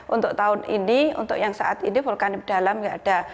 untuk tahun ini untuk yang saat ini vulkanik dalam tidak ada